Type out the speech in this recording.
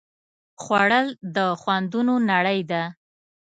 خوړل د خوندونو نړۍ ده